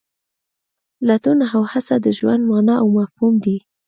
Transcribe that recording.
لټون او هڅه د ژوند مانا او مفهوم دی.